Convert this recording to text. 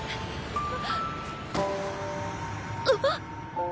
あっ。